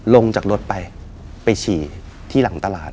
ลงจากรถไปไปฉี่ที่หลังตลาด